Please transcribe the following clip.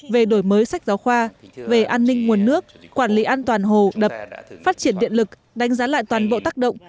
về đổi mới sách giáo khoa về an ninh nguồn nước quản lý an toàn hồ đập phát triển điện lực đánh giá lại toàn bộ tác động